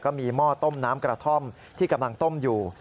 หม้อต้มน้ำกระท่อมที่กำลังต้มอยู่